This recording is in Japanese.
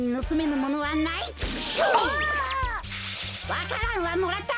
わか蘭はもらった！